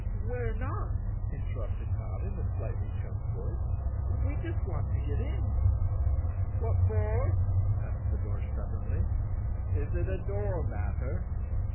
"We're not!" interrupted Notta, in a slightly choked voice. "We just want to get in." "What for?" asked the door stubbornly. "Is it a door matter?